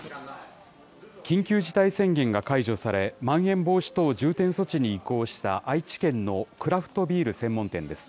緊急事態宣言が解除され、まん延防止等重点措置に移行した、愛知県のクラフトビール専門店です。